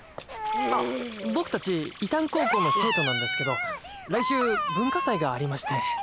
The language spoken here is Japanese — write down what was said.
あっ僕たち伊旦高校の生徒なんですけど来週文化祭がありまして。